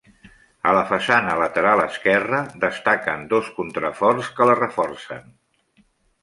A la façana lateral esquerra, destaquen dos contraforts que la reforcen.